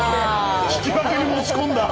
引き分けに持ち込んだ！